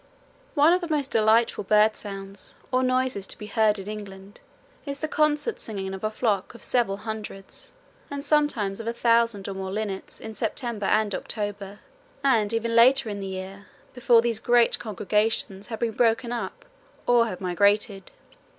One of the most delightful bird sounds or noises to be heard in England is the concert singing of a flock of several hundreds, and sometimes of a thousand or more linnets in September and October, and even later in the year, before these great congregations have been broken up or have migrated.